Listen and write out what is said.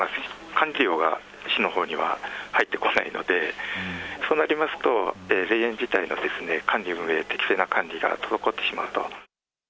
管理料が市のほうには入ってこないので、そうなりますと、霊園自体の管理運営、適正な管理が滞ってしまうと。